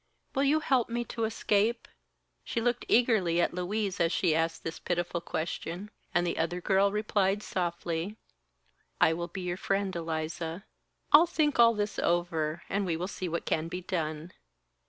Will you help me to escape?" She looked eagerly at Louise as she asked this pitiful question, and the other girl replied, softly: "I will be your friend, Eliza. I'll think all this over, and we will see what can be done.